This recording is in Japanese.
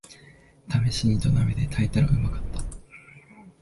ためしに土鍋で炊いたらうまかった